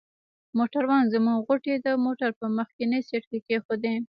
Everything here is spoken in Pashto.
موټروان زموږ غوټې د موټر په مخکني سیټ کې کښېښودې.